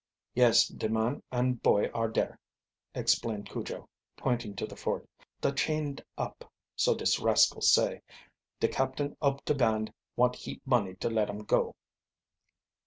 "Yes, de man an' boy are dare," explained Cujo, pointing to the fort. "Da chained up, so dis rascal say. De captain ob de band want heap money to let um go."